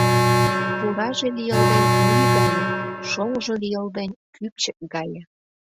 Пураже лийылден мӱй гае, шоҥжо лийылден кӱпчык гае.